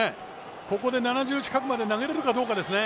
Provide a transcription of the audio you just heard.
ここで７０近くまで投げてくるかどうかですね。